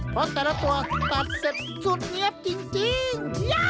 เพราะแต่ละตัวตัดเสร็จสุดเงี๊ยบจริง